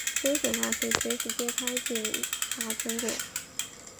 蒸水蛋可以随时揭开捡查成果。